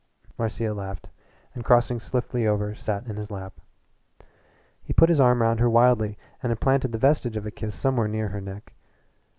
Marcia laughed, and crossing swiftly over sat in his lap. He put his arm round her wildly and implanted the vestige of a kiss somewhere near her neck.